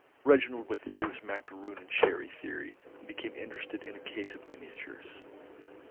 Reginald withdrew his macaroon and sherry theory, and became interested in a case of miniatures.